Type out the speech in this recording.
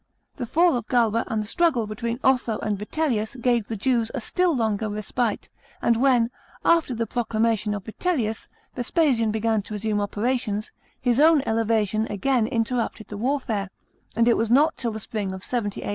The foil of Galba and the struggle between Otho and Yitellius gave the Jews a still longer respite ; and when, after the proclamation of Vitellius, Vespasian began to resume operations, his own elevation again interrupted the warfare, and it was not till the spring of 70 A.